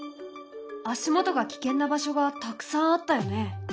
足元が危険な場所がたくさんあったよね。